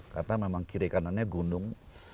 karena memang kiri kanannya gunung